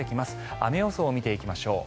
雨予想を見ていきましょう。